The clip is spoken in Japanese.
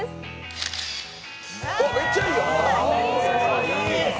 めっちゃいいやん！